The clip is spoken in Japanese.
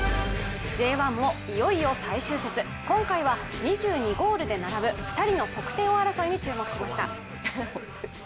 Ｊ１もいよいよ最終節、今回は２２ゴールで並ぶ２人の得点王争いに注目しました。